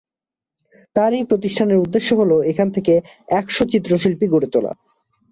তার এই প্রতিষ্ঠানের উদ্দেশ্য হল এখান থেকে একশ চিত্রশিল্পী গড়ে তোলা।